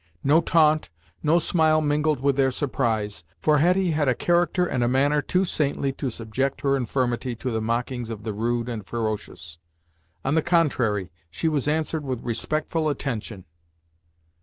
No taunt, no smile mingled with their surprise, for Hetty had a character and a manner too saintly to subject her infirmity to the mockings of the rude and ferocious. On the contrary, she was answered with respectful attention.